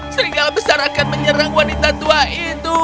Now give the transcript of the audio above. serigala besar akan menyerang wanita tua itu